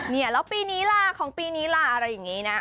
เนี่ยแล้วปีนี้ล่ะของปีนี้ล่ะอะไรอย่างนี้นะ